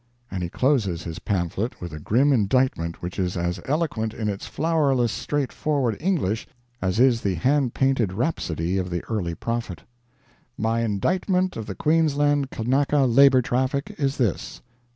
And he closes his pamphlet with a grim Indictment which is as eloquent in its flowerless straightforward English as is the hand painted rhapsody of the early prophet: "My indictment of the Queensland Kanaka Labor Traffic is this "1.